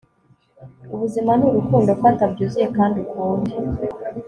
ubuzima ni urukundo .. fata byuzuye kandi ukunde